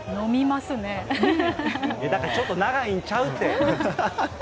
だからちょっと長いんちゃうって。